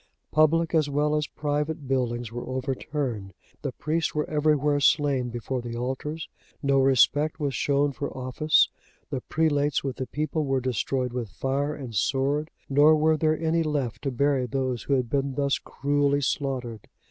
Public as well as private buildings were overturned; the priests were everywhere slain before the altars; no respect was shown for office, the prelates with the people were destroyed with fire and sword; nor were there any left to bury those who had been thus cruelly slaughtered.